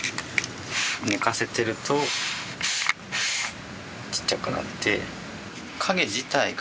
寝かせてるとちっちゃくなって。